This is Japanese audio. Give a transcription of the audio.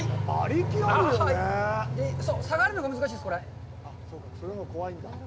下がるのが難しいです、これ。